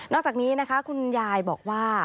จากนี้นะคะคุณยายบอกว่า